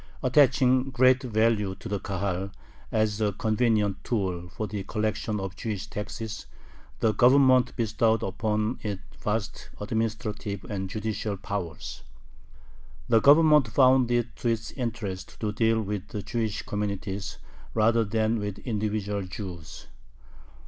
Attaching great value to the Kahal as a convenient tool for the collection of Jewish taxes, the Government bestowed upon it vast administrative and judicial powers. The Government found it to its interest to deal with the Jewish communities rather than with individual Jews.